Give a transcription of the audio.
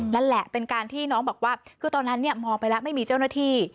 นั่นแหละเป็นการที่น้องบอกว่าคือตอนนั้นมองไปแล้วไม่มีเจ้าหน้าที่